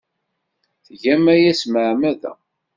Tgam aya s tmeɛmada.